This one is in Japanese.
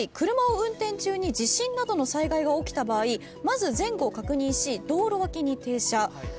車を運転中に地震などの災害が起きた場合まず前後を確認し道路脇に停車。